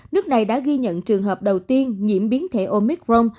nước này đã ghi nhận trường hợp đầu tiên nhiễm biến thể omicron